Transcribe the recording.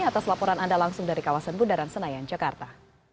atas laporan anda langsung dari kawasan bundaran senayan jakarta